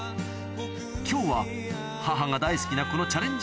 今日は母が大好きなこのチャレンジ